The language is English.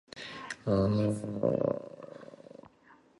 Her second husband had married Catherine Broadhurst and they had six children.